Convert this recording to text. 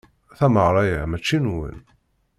Tameɣra-a mačči nwen.